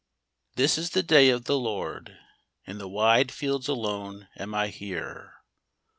HIS is the day of the Lord. In the wide fields alone am I here.